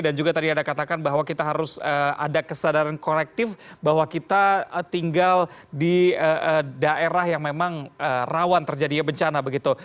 juga tadi anda katakan bahwa kita harus ada kesadaran korektif bahwa kita tinggal di daerah yang memang rawan terjadinya bencana begitu